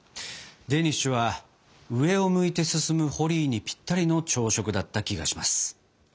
デニッシュは上を向いて進むホリーにぴったりの朝食だった気がします。